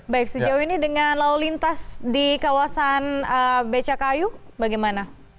baik sejauh ini dengan lalu lintas di kawasan becakayu bagaimana